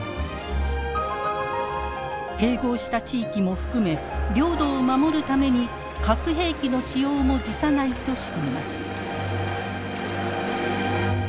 併合した地域も含め領土を守るために核兵器の使用も辞さないとしています。